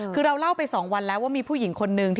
คือเราเล่าไป๒วันแล้วว่ามีผู้หญิงคนนึง